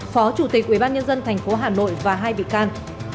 phó chủ tịch ubnd tp hà nội và hai bị can